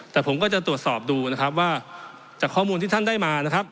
แต่ผมก็จะตรวจสอบดูนะครับว่าจากข้อมูลที่ท่านได้มานะครับ